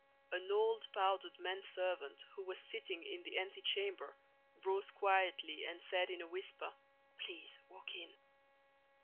An old powdered manservant who was sitting in the antechamber rose quietly and said in a whisper: "Please walk in."